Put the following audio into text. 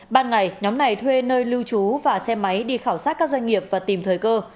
ban ngày nhóm này thuê nơi lưu trú và xe máy đi khảo sát các doanh nghiệp và tìm thời cơ